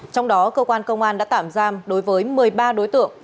trong đó cơ quan công an đã tạm giam đối với một mươi ba đối tượng